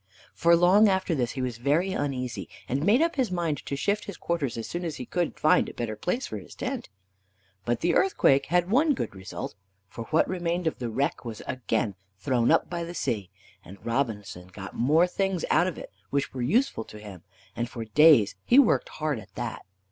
For long after this he was very uneasy, and made up his mind to shift his quarters as soon as he could find a better place for his tent. But the earthquake had one good result, for what remained of the wreck was again thrown up by the sea, and Robinson got more things out of it which were useful to him, and for days he worked hard at that.